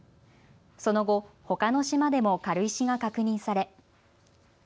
その後、ほかの島でも軽石が確認され。